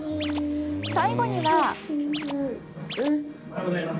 最後には。